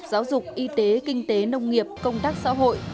giáo dục y tế kinh tế nông nghiệp công tác xã hội